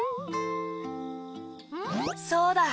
そうだ！